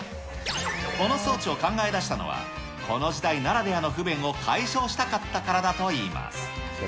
この装置を考え出したのは、この時代ならではの不便を解消したかったからだといいます。